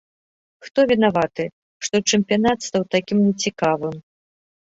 Хто вінаваты, што чэмпіянат стаў такім не цікавым?